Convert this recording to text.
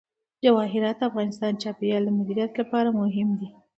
جواهرات د افغانستان د چاپیریال د مدیریت لپاره مهم دي.